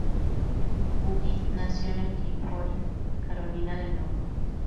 Hughes nació en Hickory, Carolina del Norte.